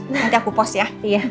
nanti aku post ya